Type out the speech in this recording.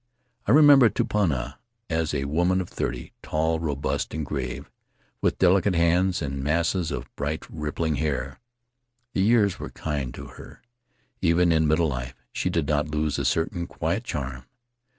I remember Tupuna as a woman of thirty — tall, robust, and grave, with delicate hands and masses of bright, rippling hair; the years were kind to her — even in middle life she did not lose a certain quiet charm.